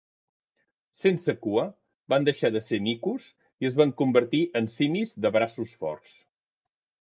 Sense cua, van deixar de ser micos i es van convertir en simis de braços forts.